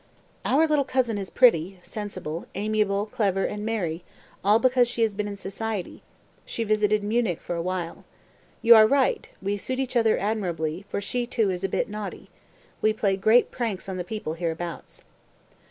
189. "Our little cousin is pretty, sensible, amiable, clever and merry, all because she has been in society; she visited Munich for a while. You are right, we suit each other admirably, for she, too, is a bit naughty. We play great pranks on the people hereabouts."